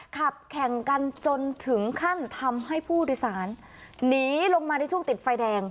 ขับแข่งกันจนถึงขั้นทำให้ผู้โดยสารหนีลงมาในช่วงติดไฟแดง